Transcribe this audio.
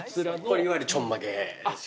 いわゆるちょんまげですよね。